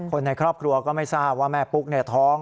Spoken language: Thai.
คนในครอบครัวก็ไม่ทราบว่าแม่ปุ๊กท้อง